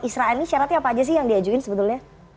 israat syaratnya apa aja sih yang diajukan sebetulnya